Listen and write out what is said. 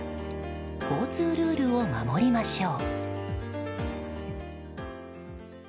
交通ルールを守りましょう。